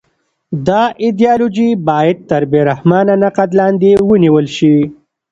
دا ایدیالوژي باید تر بې رحمانه نقد لاندې ونیول شي